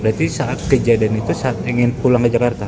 berarti saat kejadian itu saat ingin pulang ke jakarta